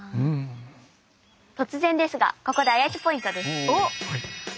突然ですがここで「あやちょポイント」です。